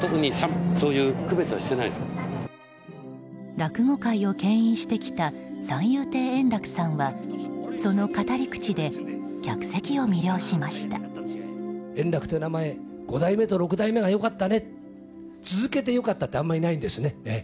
落語界を牽引してきた三遊亭円楽さんはその語り口で客席を魅了しました。